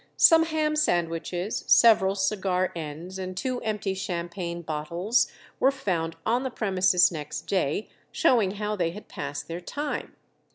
Some ham sandwiches, several cigar ends, and two empty champagne bottles were found on the premises next day, showing how they had passed their time.